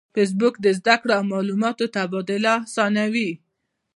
فېسبوک د زده کړې او معلوماتو تبادله آسانوي